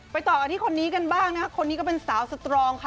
ต่อกันที่คนนี้กันบ้างนะคะคนนี้ก็เป็นสาวสตรองค่ะ